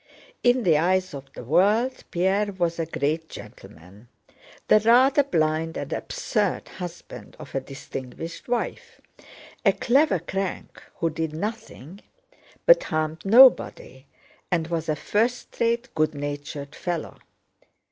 In the eyes of the world Pierre was a great gentleman, the rather blind and absurd husband of a distinguished wife, a clever crank who did nothing but harmed nobody and was a first rate, good natured fellow.